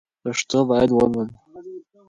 پښتو باید ولولو